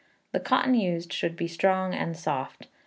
The cotton used should be strong and soft.